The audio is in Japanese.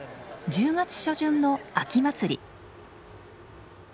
１０月初旬の秋祭り。